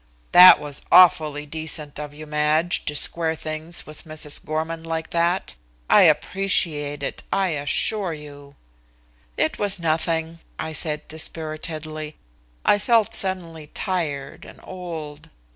"That was awfully decent of you, Madge, to square things with Mrs. Gorman like that. I appreciate it, I assure you." "It was nothing," I said dispiritedly. I felt suddenly tired and old.